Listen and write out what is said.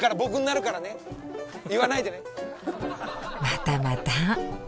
またまた。